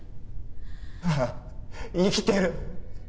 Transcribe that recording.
ああ生きてる